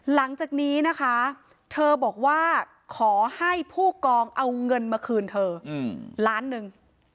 หลังจากนี้นะคะเธอบอกว่าขอให้ผู้กองเอาเงินมาคืนเธอล้านหนึ่ง